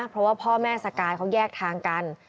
เพราะว่าพ่อแม่สกายเขาแยกทางกัน